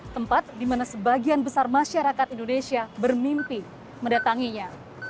tempat di mana sebagian besar masyarakat indonesia bermimpi mendatanginya